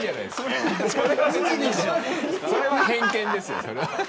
それは偏見ですよ。